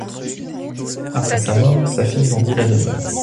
Après sa mort, sa fille vendit la demeure.